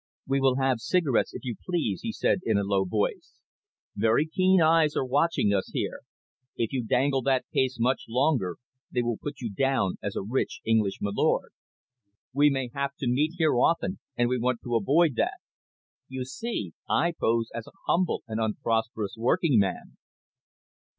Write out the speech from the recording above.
"We will have cigarettes, if you please," he said, in a low voice. "Very keen eyes are watching us here. If you dangle that case much longer, they will put you down as a rich English milord. We may have to meet here often, and we want to avoid that. You see, I pose as a humble and unprosperous working man."